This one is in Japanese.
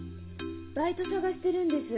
バイト探してるんです。